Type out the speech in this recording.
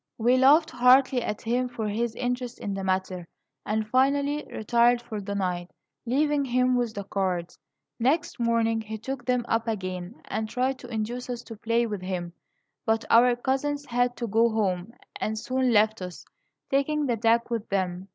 "We laughed heartily at him for his interest in the matter, and finally retired for the night, leaving him with the cards. Next morning he took them up again, and tried to induce us to play with him; but our cousins had to go home, and soon left us, taking the deck with them.